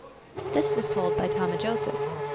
1 1 This was told by Tomah Josephs.